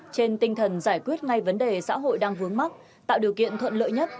trên tinh thần giải quyết ngay vấn đề xã hội đang vướng mắt tạo điều kiện thuận lợi nhất